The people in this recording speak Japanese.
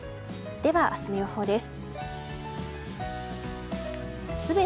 では、明日の予報です。